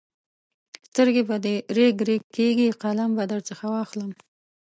سترګې به دې رېګ رېګ کېږي؛ قلم به درڅخه واخلم.